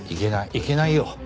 いけないよ。